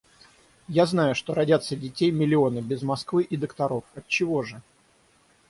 Я знаю, что родятся детей миллионы без Москвы и докторов... отчего же...